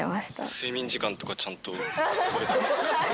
睡眠時間とかちゃんと取れてますか。